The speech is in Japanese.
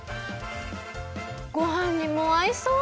ごはんにもあいそう！